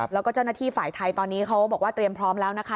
แล้วก็เจ้าหน้าที่ฝ่ายไทยตอนนี้เขาบอกว่าเตรียมพร้อมแล้วนะคะ